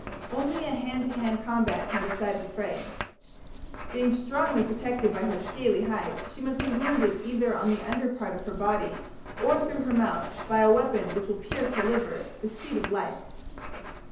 Only a hand to hand combat can decide the fray. Being strongly protected by her scaly hide, she must be wounded either on the under part of her body or through her mouth by a weapon which will pierce her liver, the seat of life.